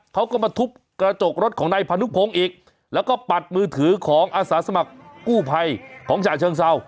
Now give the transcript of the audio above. เขาก็มาทุบกระจกรถของนายพานุพงศ์อีกแล้วก็ปัดมือถือของอาสาสมัครกู้ภัยของฉะเชิงเศร้า